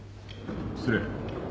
失礼。